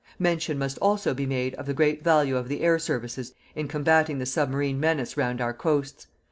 Mention must also be made of the great value of the air services in combating the submarine menace round our coasts....